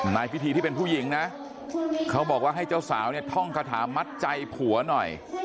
นายพิธีที่เป็นผู้หญิงนะเขาบอกว่าให้เจ้าสาวเนี่ยท่องคาถามัดใจผัวหน่อย